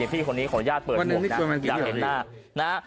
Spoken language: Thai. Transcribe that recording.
พี่คนนี้ของญาติเปิดหมวกนะอยากเห็นหน้า